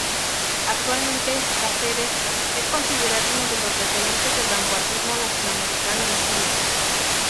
Actualmente, Cáceres es considerado uno de los referentes del vanguardismo latinoamericano en Chile.